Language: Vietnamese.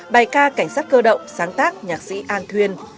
bài ca cảnh sát cơ động sáng tác nhạc sĩ an thuyên